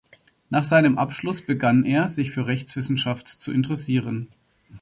Nach seinem Abschluss begann er, sich für Rechtswissenschaft zu interessieren.